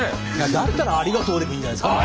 だったらありが塔でもいいんじゃないですか？